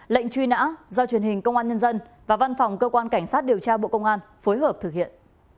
lệnh truy nã do truyền hình công an nhân dân và văn phòng cơ quan cảnh sát điều tra bộ công an phối hợp thực hiện